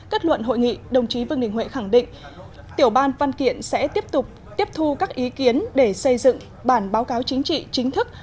kết luận hội nghị đồng chí vương đình huệ khẳng định tiểu ban văn kiện sẽ tiếp tục tiếp thu các ý kiến để xây dựng bản báo cáo chính trị chính thức